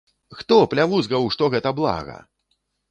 Хто плявузгаў, што гэта блага?!